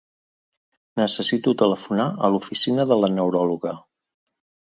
Necessito telefonar a l'oficina de la neuròloga.